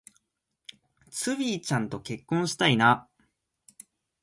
ツウィちゃんと結婚したいな